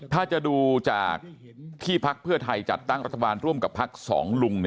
ถ้าจะดูจากที่พักเพื่อไทยจัดตั้งรัฐบาลร่วมกับพักสองลุง